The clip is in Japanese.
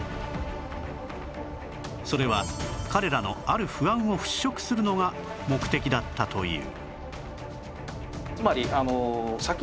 それは彼らのある不安を払拭するのが目的だったという